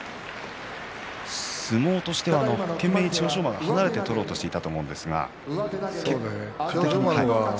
相撲としては懸命に千代翔馬が離れて取ろうとしていました。